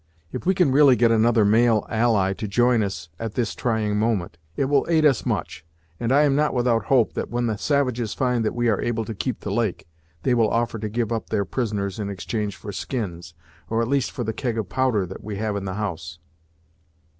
If we can really get another male ally to join us at this trying moment, it will aid us much; and I am not without hope that when the savages find that we are able to keep the lake, they will offer to give up their prisoners in exchange for skins, or at least for the keg of powder that we have in the house."